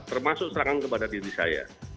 termasuk serangan kepada diri saya